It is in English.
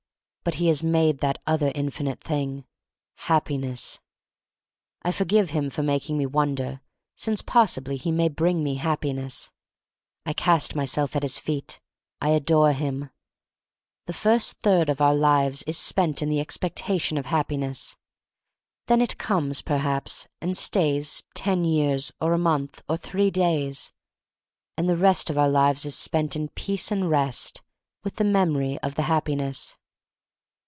But he has made that other infinite thing — Happiness. I forgive him for making me wonder, since possibly he may bring me Happiness. I cast my self at his feet. I adore him. The first third of our lives is spent in the expectation of Happiness. Then it comes, perhaps, and stays ten years, or a month, or three days, and the rest of our lives is spent in peace and rest — with the memory of the Happiness.